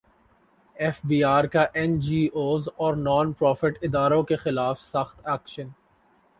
F B رکا N G Os اور non profit اداروں کیخلاف سخت ایکشن